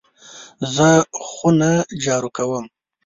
زه خونه جارو کوم .